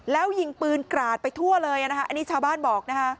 แล้วยิงปืนกราดไปทั่วเลยนะคะอันนี้ชาวบ้านบอกนะคะ